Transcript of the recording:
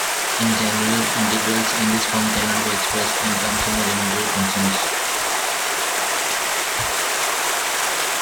In general, integrals in this form cannot be expressed in terms of elementary functions.